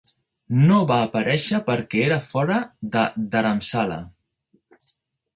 No va aparèixer perquè era fora de Dharamsala.